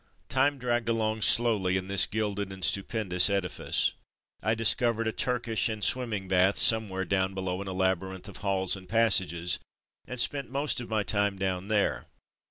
'' Time dragged along slowly in this gilded and stupendous edifice. I discovered a 294 From Mud to Mufti Turkish and swimming bath somewhere down below in a labyrinth of halls and pas sages, and spent most of my time down there.